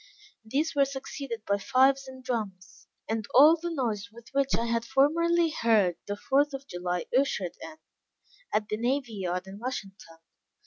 These were succeeded by fifes and drums, and all the noise with which I had formerly heard the fourth of July ushered in, at the Navy Yard in Washington.